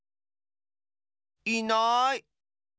いない！